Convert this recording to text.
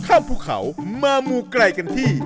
ภูเขามามูไกลกันที่